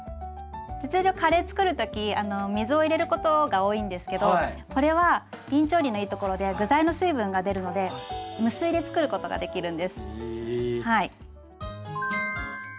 通常カレー作る時水を入れることが多いんですけどこれはびん調理のいいところで具材の水分が出るので無水で作ることができるんです。